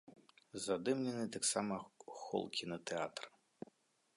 Задымлены таксама хол кінатэатра.